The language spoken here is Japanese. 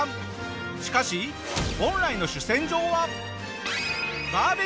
しかし本来の主戦場は。